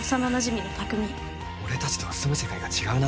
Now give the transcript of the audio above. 俺たちとは住む世界が違うな。